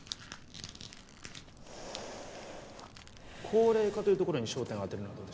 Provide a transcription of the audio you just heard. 高齢化というところに焦点を当てるのはどうでしょうか。